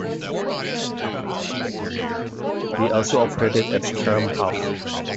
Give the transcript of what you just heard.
He also operated at scrum-half.